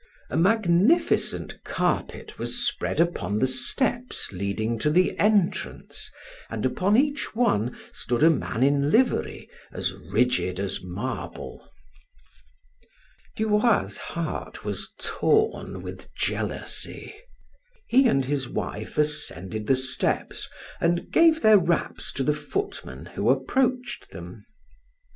A magnificent carpet was spread upon the steps leading to the entrance, and upon each one stood a man in livery, as rigid as marble. Du Roy's heart was torn with jealousy. He and his wife ascended the steps and gave their wraps to the footmen who approached them.